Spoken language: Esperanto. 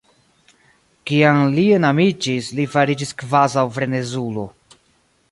Kiam li enamiĝis, li fariĝis kvazaŭ frenezulo.